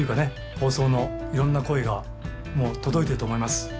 放送の、いろんな声がもう届いてると思います。